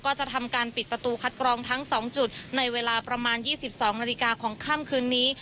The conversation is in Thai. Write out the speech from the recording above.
ก็จะทำการปิดประตูคัดกรองทั้ง๒จุดในเวลาประมาณ๒๒นาฬิกาของค่ำคืนนี้